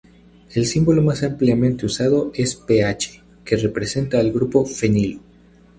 El símbolo más ampliamente usado es Ph, que representa al grupo fenilo.